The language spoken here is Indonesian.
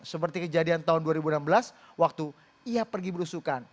seperti kejadian tahun dua ribu enam belas waktu ia pergi berusukan